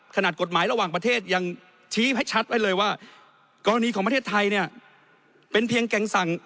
ขนาดกฎหมายระหว่างประเทศยังชี้ให้ชัดไว้เลยว่ากรณีของประเทศไทยเนี่ยเป็นเพียงแก่งสั่ง